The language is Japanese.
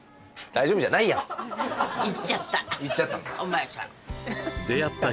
行っちゃったの？